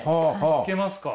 いけますか？